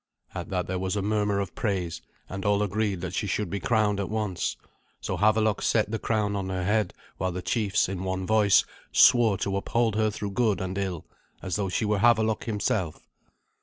At that there was a murmur of praise, and all agreed that she should be crowned at once. So Havelok set the crown on her head while the chiefs in one voice swore to uphold her through good and ill, as though she were Havelok himself.